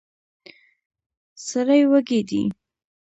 سړی وږی دی.